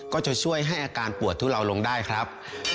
ก็จะช่วยให้อาการปวดทุเลาลงได้ครับ